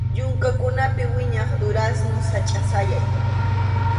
Yunkakunapi wiñaq durazno sachʼa sayay.